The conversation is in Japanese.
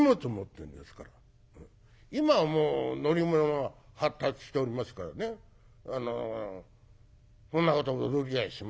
今はもう乗り物は発達しておりますからねそんなこと驚きやしませんで。